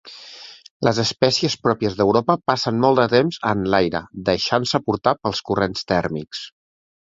Les espècies pròpies d'Europa passen molt de temps en l'aire, deixant-se portar pels corrents tèrmics.